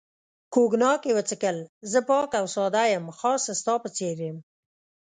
کوګناک یې وڅښل، زه پاک او ساده یم، خاص ستا په څېر یم.